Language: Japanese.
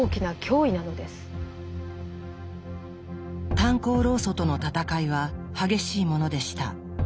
炭鉱労組との戦いは激しいものでした。